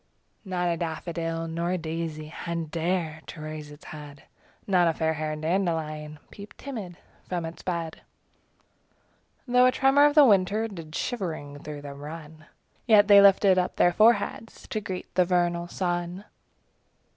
Not a daffodil nor daisy Had dared to raise its head; Not a fairhaired dandelion Peeped timid from its bed; THE CROCUSES. 5 Though a tremor of the winter Did shivering through them run; Yet they lifted up their foreheads To greet the vernal sun.